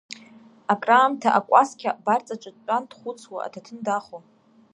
Акраамҭа акәасқьа абарҵаҿы дтәан дхәыцуа, аҭаҭын дахо.